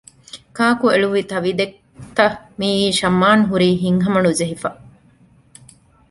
ކާކު އެޅުވި ތަވިދެއްތަ މިއީ ޝަމްއާން ހުރީ ހިތްހަމަ ނުޖެހިފަ